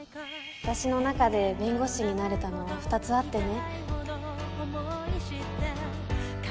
私の中で弁護士になれたのは２つあってね